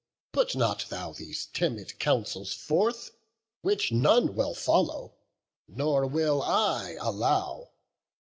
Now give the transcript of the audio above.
put not thou these timid counsels forth, Which none will follow, nor will I allow.